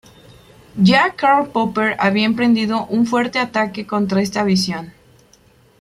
Ya Karl Popper había emprendido un fuerte ataque contra esta visión.